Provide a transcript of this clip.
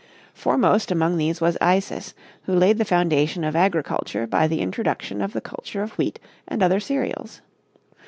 Foremost among these was Isis, who laid the foundation of agriculture by the introduction of the culture of wheat and other cereals.